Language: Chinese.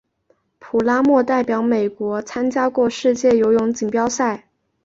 普拉默代表美国参加过世界游泳锦标赛。